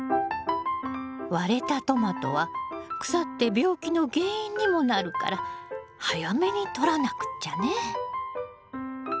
割れたトマトは腐って病気の原因にもなるから早めに取らなくっちゃね。